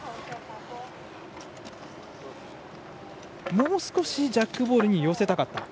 もう少しジャックボールに寄せたかった。